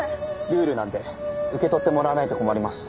ルールなんで受け取ってもらわないと困ります。